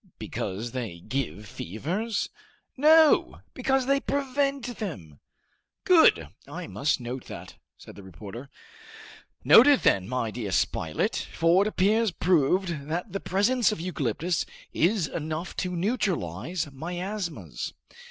'" "Because they give fevers?" "No, because they prevent them!" "Good. I must note that," said the reporter. "Note it then, my dear Spilett; for it appears proved that the presence of the eucalyptus is enough to neutralize miasmas.